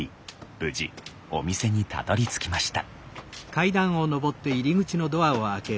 無事お店にたどりつきました。